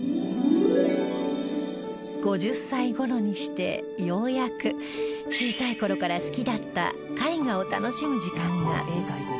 ５０歳頃にしてようやく小さい頃から好きだった絵画を楽しむ時間が